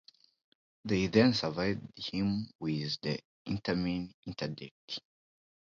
They then served him with the interim interdict.